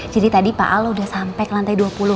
jadi tadi pak al udah sampai ke lantai dua puluh